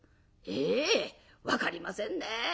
「ええ分かりませんね。